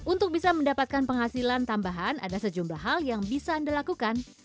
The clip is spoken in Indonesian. untuk bisa mendapatkan penghasilan tambahan ada sejumlah hal yang bisa anda lakukan